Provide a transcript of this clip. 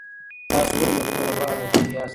تاسو ولې له کوره بهر وتلي یاست؟